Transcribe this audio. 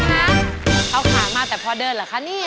เอาขามาแต่พอเดินเหรอคะนี่